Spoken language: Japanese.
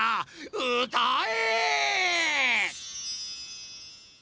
うたえ！